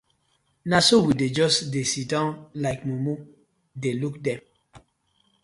Na so we just dey siddon like mumu dey look dem.